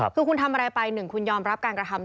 คือคุณทำอะไรไปหนึ่งคุณยอมรับการกระทำ